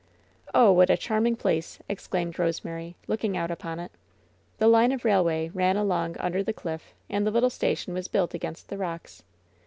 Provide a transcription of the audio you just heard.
"Oh, what a charming place !" exclaimed Rosemary, looking out upon it. The line of railway ran along under the cliff, and the little station was built against the rocks.